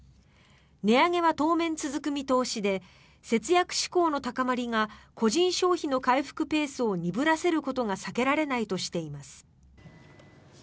値上げは当面続く見通しで節約志向の高まりが個人消費の回復ペースを鈍らせることが避けられないとしています。